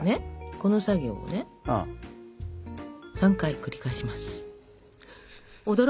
この作業をね３回繰り返します。